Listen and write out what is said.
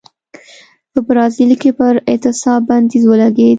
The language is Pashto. په برازیل کې پر اعتصاب بندیز ولګېد.